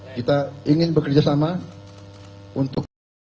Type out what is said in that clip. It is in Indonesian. kita ingin bekerjasama untuk